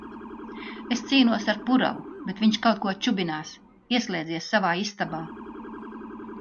Es cīnos ar puravu, bet viņš kaut ko čubinās, ieslēdzies savā istabā.